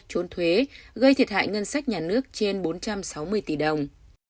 trốn thuế gây thiệt hại ngân sách nhà nước trên bốn trăm sáu mươi tỷ đồng